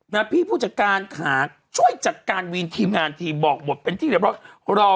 นางพี่ผู้จัดการค่ะช่วยจัดการวีนทีมงานทีมบอกบทเป็นที่เหลือบรอบ